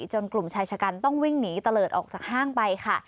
กลุ่มชายชะกันต้องวิ่งหนีตะเลิศออกจากห้างไปค่ะ